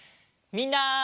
みんな。